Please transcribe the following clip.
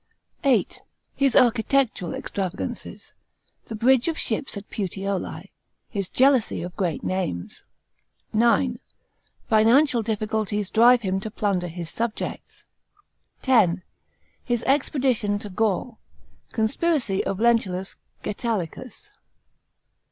§ 8. His architectural extravagance. The bridge of ships at Puteoli. His jealousy of great names. § 9. Financial difficulties drive him to plunder his subjects. § 10. His expedition to Gaul. Conspiracy of Lentulus Gsetulicus.